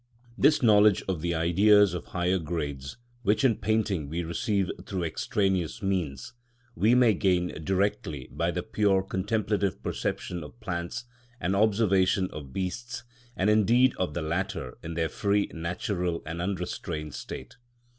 This knowledge of the Ideas of higher grades, which in painting we receive through extraneous means, we may gain directly by the pure contemplative perception of plants, and observation of beasts, and indeed of the latter in their free, natural, and unrestrained state.